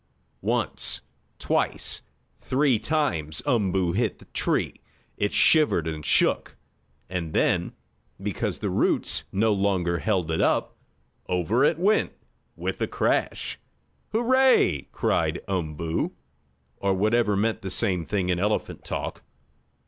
Once, twice, three times Umboo hit the tree. It shivered and shook, and then, because the roots no longer held it up, over it went with a crash. "Hurray!" cried Umboo, or what meant the same thing in elephant talk.